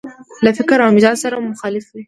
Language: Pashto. له فکر او مزاج سره مو مخالف وي.